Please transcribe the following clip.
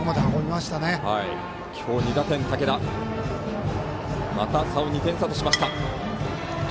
また差を２点差としました。